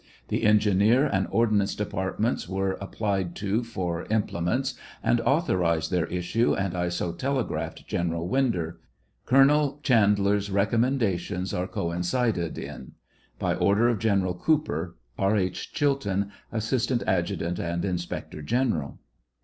■ The engineer and ordnance departments were applied to for implements, and authorized their issue, and I so telegraphed General Winder. Colonel Chandler's recommendations are coincided in. By order of General Cooper; R. H. CHILTON, Assistant Adjutant and Inspector General.